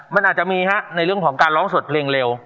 มันอาจจะมีฮะในเรื่องของการร้องสดเพลงเร็ว